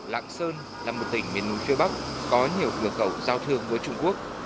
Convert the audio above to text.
lạng sơn là một tỉnh miền núi phía bắc có nhiều cửa khẩu giao thương với trung quốc